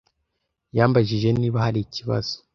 Yambajije niba hari ikibazo.